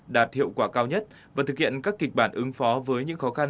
đạt hiệu quả cao nhất và thực hiện các kịch bản ứng phó với những khó khăn